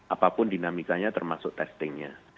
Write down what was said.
apapun dinamikanya termasuk testingnya